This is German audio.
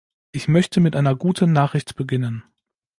Ich möchte mit einer guten Nachricht beginnen.